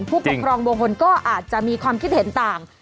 ผู้ปกครองบางคนก็อาจจะมีความคิดเห็นต่าง